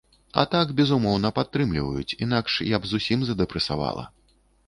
А так безумоўна падтрымліваюць, інакш я б зусім задэпрэсавала.